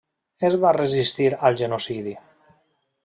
Es va resistir al genocidi.